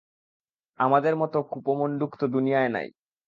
আমাদের মত কূপমণ্ডুক তো দুনিয়ায় নাই।